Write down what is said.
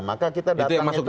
maka kita datang itu